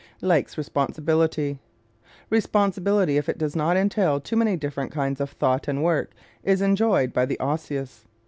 Likes Responsibility ¶ Responsibility, if it does not entail too many different kinds of thought and work, is enjoyed by the Osseous.